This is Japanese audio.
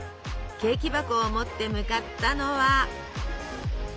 ケーキ箱を持って向かったのは。